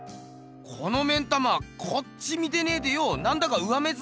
この目ん玉こっち見てねえでよなんだか上目づかいだな。